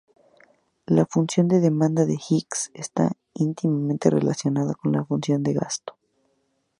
La función de demanda de Hicks está íntimamente relacionada con la función de gasto.